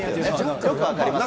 よく分かりますんで。